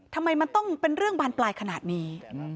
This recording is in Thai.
ทำไมมันต้องเป็นเรื่องบานปลายขนาดนี้